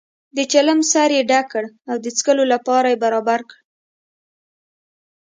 د چلم سر یې ډک کړ او د څکلو لپاره یې برابر کړ.